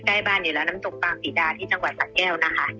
ใกล้บ้านอยู่แล้วน้ำตกบางศรีดาที่จังหวัดสะแก้วนะคะ